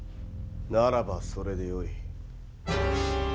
ならばそれでよい。